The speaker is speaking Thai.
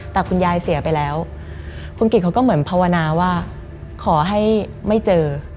แต่คุณยายเสียไปแล้วคุณกิจเขาก็เหมือนภาวนาว่าขอให้ไม่เจอ